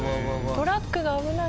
トラックが危ない！